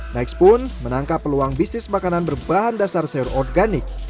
next pun menangkap peluang bisnis makanan berbahan dasar sayur organik